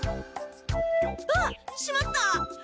あっしまった！